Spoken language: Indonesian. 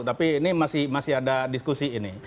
tapi ini masih ada diskusi ini